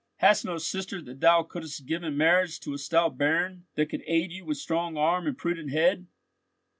Hast no sister that thou couldst give in marriage to a stout baron that could aid you with strong arm and prudent head?"